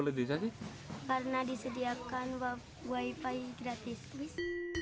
karena disediakan wifi gratis